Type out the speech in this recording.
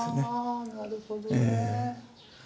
あなるほどね。